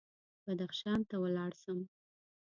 بدخشان ته ولاړ شم.